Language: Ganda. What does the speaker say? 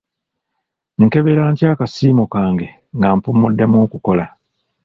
Nkebera ntya akasiimo kange nga mpummudde okukola?